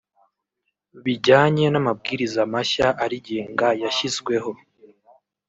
bijyanye n’amabwiriza mashya arigenga yashyizweho